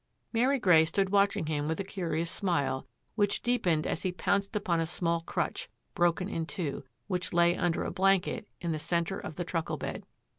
Mary Grey stood watching him with a curious smile which deepened as he pounced upon a small crutch, broken in two, which lay under a blanket in the centre of the truckle bed.